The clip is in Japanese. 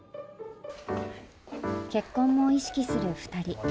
結婚も意識する２人。